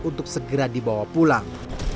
untuk segera dibawa pulang